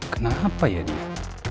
kenapa ya dia